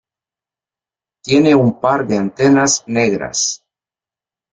Tiene un par de antenas negras.